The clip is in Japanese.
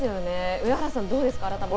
上原さん、どうですか改めて。